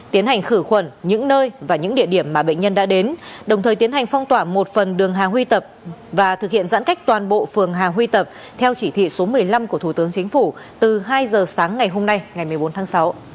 tiến hành khử khuẩn những nơi và những địa điểm mà bệnh nhân đã đến đồng thời tiến hành phong tỏa một phần đường hà huy tập và thực hiện giãn cách toàn bộ phường hà huy tập theo chỉ thị số một mươi năm của thủ tướng chính phủ từ hai giờ sáng ngày hôm nay ngày một mươi bốn tháng sáu